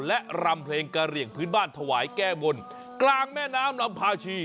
และรำเพลงกระเหลี่ยงพื้นบ้านถวายแก้บนกลางแม่น้ำลำพาชี